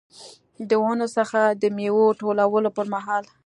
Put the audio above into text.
د ونو څخه د میوو ټولولو پرمهال.